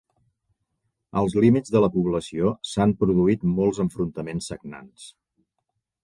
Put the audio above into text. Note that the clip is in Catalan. Als límits de la població s'han produït molts enfrontaments sagnants.